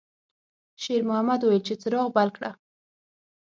شېرمحمد وویل چې څراغ بل کړه.